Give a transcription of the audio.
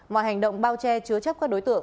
mọi hành động bao che chứa chấp các đối tượng